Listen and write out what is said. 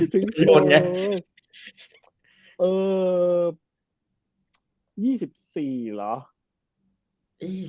ถึงโยนเนี่ย